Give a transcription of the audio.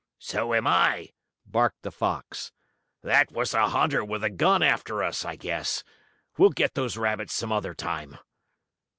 "So am I!" barked the fox. "That was a hunter with a gun after us, I guess. We'll get those rabbits some other time."